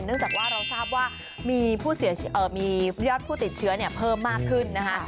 จากว่าเราทราบว่ามียอดผู้ติดเชื้อเพิ่มมากขึ้นนะคะ